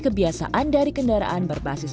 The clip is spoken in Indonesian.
kebiasaan dari kendaraan berbasis